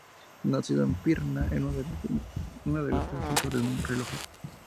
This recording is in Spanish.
Nacido en Pirna, era uno de los tres hijos de un relojero.